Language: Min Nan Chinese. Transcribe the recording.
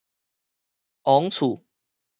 王厝